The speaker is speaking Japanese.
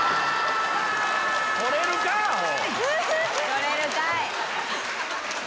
取れるかい！